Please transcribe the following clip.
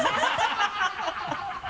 ハハハ